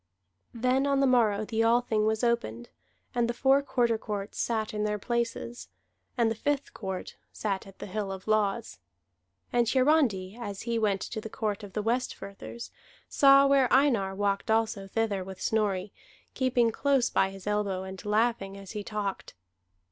Then on the morrow the Althing was opened, and the four Quarter Courts sat in their places, and the Fifth Court sat at the Hill of Laws. And Hiarandi, as he went to the court of the Westfirthers, saw where Einar walked also thither with Snorri, keeping close by his elbow, and laughing as he talked.